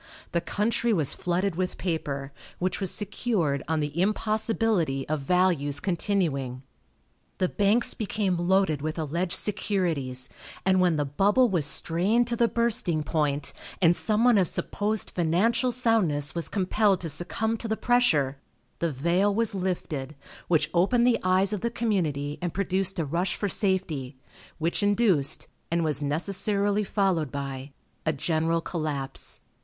The country was flooded with paper, which was secured on the impossibility of values continuing. The banks became loaded with alleged securities, and when the bubble was strained to the bursting point, and some one of supposed financial soundness was compelled to succumb to the pressure, the veil was lifted, which opened the eyes of the community and produced a rush for safety, which induced, and was necessarily followed, by a general collapse.